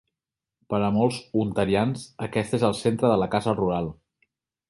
Per a molts ontarians, aquest és el centre de la casa rural.